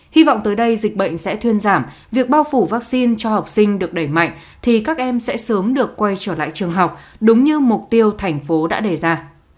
hy vọng tới đây dịch bệnh sẽ thuyên giảm việc bao phủ vaccine cho học sinh được đẩy mạnh thì các em sẽ sớm được quay trở lại trường học đúng như mục tiêu thành phố đã đề ra